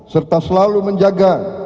serta selalu menjaga